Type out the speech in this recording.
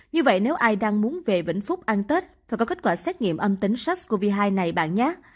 như vậy nếu ai đang muốn về vĩnh phúc ăn tết phải có kết quả xét nghiệm âm tính sars cov hai này bạn nhát